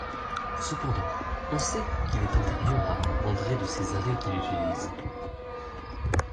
Cependant, on sait qu'il est antérieur à André de Césarée, qui l'utilise.